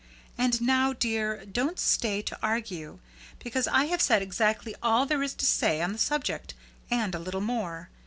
And now, dear, don't stay to argue; because I have said exactly all there is to say on the subject, and a little more.